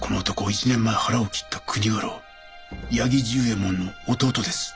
１年前腹を切った国家老八木重右衛門の弟です。